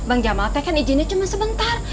bang jamal th kan izinnya cuma sebentar